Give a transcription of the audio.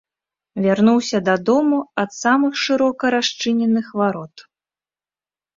Вярнуўся дадому ад самых шырока расчыненых варот.